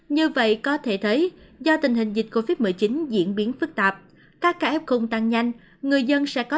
như vậy có thể thấy do tình hình dịch covid một mươi chín diễn biến phức tạp các ca ép không tăng nhanh